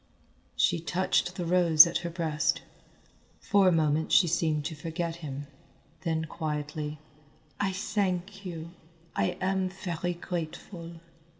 She touched the rose at her breast. For a moment she seemed to forget him, then quietly "I thank you, I am very grateful."